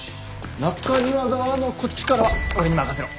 中庭側のこっちからは俺に任せろ。